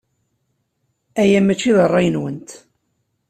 Aya maci d ṛṛay-nwent.